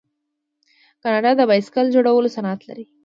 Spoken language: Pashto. کاناډا د بایسکل جوړولو صنعت لري.